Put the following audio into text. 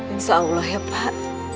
insya allah ya pak